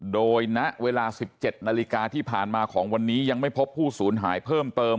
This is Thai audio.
โดยณเวลา๑๗นาฬิกาที่ผ่านมาของวันนี้ยังไม่พบผู้สูญหายเพิ่มเติม